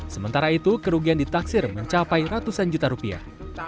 sementara itu kerugian ditaksir mencapai ratusan juta rupiah